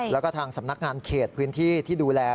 แล้วก็ทางสำนักงานเขตพื้นที่ที่ดูแล